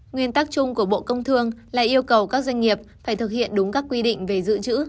nguyên tắc chung của bộ công thương là yêu cầu các doanh nghiệp phải thực hiện đúng các quy định về dự trữ